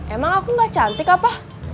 emang aku gak cantik apa